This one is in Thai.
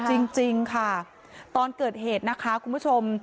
จริงค่ะตอนเกิดเหตุนะคะคุณผู้ชม